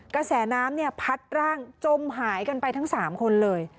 กระแสน้ำเนี่ยพัดร่างจมหายกันไปทั้ง๓คนเลย